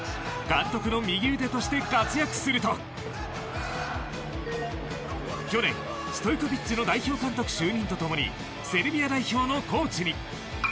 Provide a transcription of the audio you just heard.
監督の右腕として活躍すると去年、ストイコヴィッチの代表監督就任と共にセルビア代表のコーチに。